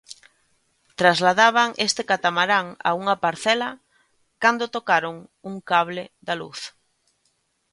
Trasladaban este catamarán a unha parcela cando tocaron un cable da luz.